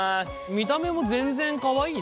見た目も全然かわいいね。